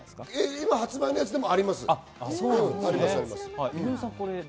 今、発売しているやつでもあります。